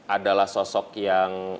adalah sosok yang